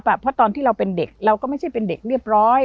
เพราะตอนที่เราเป็นเด็กเราก็ไม่ใช่เป็นเด็กเรียบร้อย